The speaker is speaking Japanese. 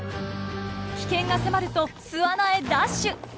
危険が迫ると巣穴へダッシュ。